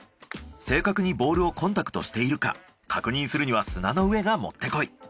正確にボールをコンタクトしているか確認するには砂の上がもってこい。